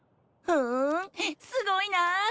ふんすごいなあ。